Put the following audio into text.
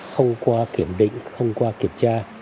không qua kiểm định không qua kiểm tra